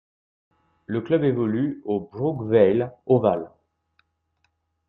Le club évolue au Brookvale Oval.